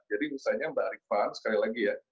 jadi misalnya mbak arifan sekali lagi ya